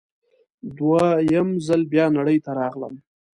دوه یم ځل بیا نړۍ ته راغلم